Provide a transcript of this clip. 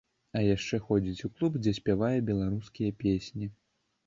А яшчэ ходзіць у клуб, дзе спявае беларускія песні.